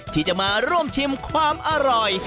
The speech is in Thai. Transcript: ที่จะมาร่วมชิมความอร่อย